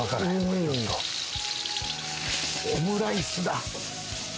オムライスだ。